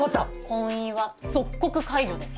婚姻は即刻解除です。